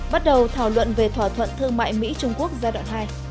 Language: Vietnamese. bắt đầu thảo luận về thỏa thuận thương mại mỹ trung quốc giai đoạn hai